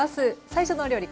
最初のお料理